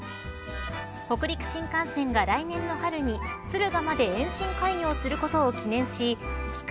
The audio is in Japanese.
北陸新幹線が来年の春に敦賀まで延伸開業することを記念し期間